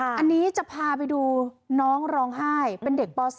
อันนี้จะพาไปดูน้องร้องไห้เป็นเด็กป๔